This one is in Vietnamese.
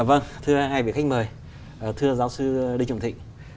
vâng thưa hai vị khách mời thưa giáo sư đinh trọng thịnh